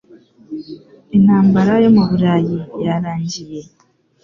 Intambara yo mu Burayi yarangiye.